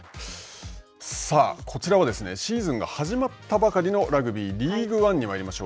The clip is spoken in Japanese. さあこちらは、シーズンが始まったばかりのラグビーリーグワンにまいりましょう。